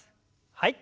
はい。